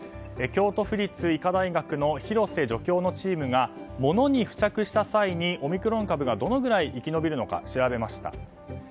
京都府立医科大学の廣瀬助教のチームが物に付着した際にオミクロン株がどのぐらい生き延びるのか調べました。